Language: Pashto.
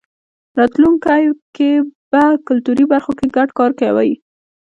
راتلونکی کې به کلتوري برخو کې ګډ کار کوی.